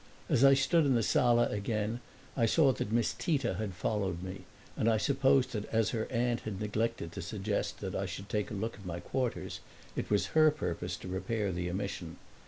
As I stood in the sala again I saw that Miss Tita had followed me, and I supposed that as her aunt had neglected to suggest that I should take a look at my quarters it was her purpose to repair the omission.